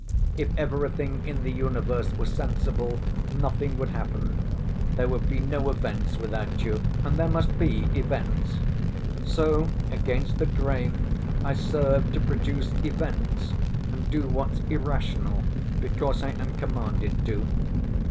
If everything in the universe were sensible, nothing would happen. There would be no events without you, and there must be events. So against the grain I serve to produce events and do what's irrational because I am commanded to.